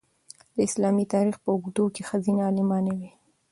د اسلامي تاریخ په اوږدو کې ښځینه عالمانې وې.